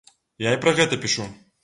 Я і пра гэта пішу.